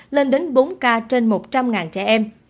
lên đến bốn ca trên một trăm linh trẻ em